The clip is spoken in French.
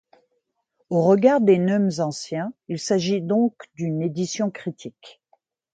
Au regard des neumes anciens, il s'agit donc d'une édition critique.